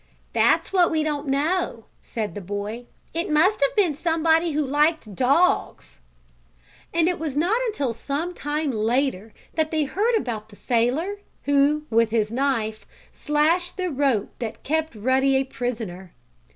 "That's what we don't know," said the boy. "It must have been somebody who liked dogs." And it was not until some time later that they heard about the sailor, who, with his knife, slashed the rope that kept Ruddy a prisoner.